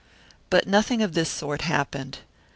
But nothing of this sort happened.